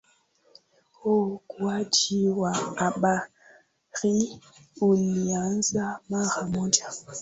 ookoaji wa abiria ulianza mara moja